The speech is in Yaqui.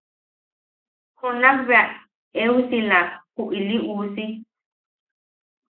Junak bea eusila ju ili uusi.